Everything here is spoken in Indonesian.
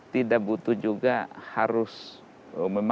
tidak butuh juga harus memakan makanan yang harus standar sesuai dengan selera mereka